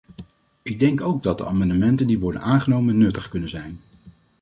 Ik denk ook dat de amendementen die worden aangenomen nuttig kunnen zijn.